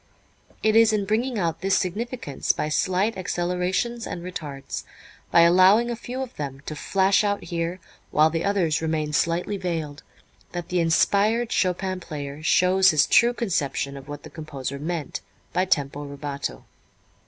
It is in bringing out this significance by slight accelerations and retards, by allowing a few of them to flash out here while the others remain slightly veiled, that the inspired Chopin player shows his true conception of what the composer meant by tempo rubato.